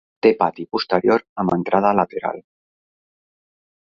Té pati posterior amb entrada lateral.